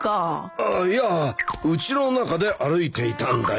ああいやうちの中で歩いていたんだよ。